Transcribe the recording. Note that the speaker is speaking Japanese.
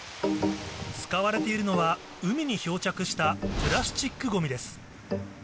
使われているのは海に漂着したプラスチックゴミです